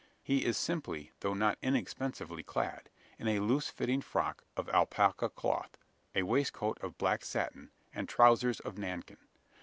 He is simply though not inexpensively clad: in a loosely fitting frock of alpaca cloth, a waistcoat of black satin, and trousers of nankin.